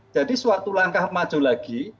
jadi suatu langkah maju lagi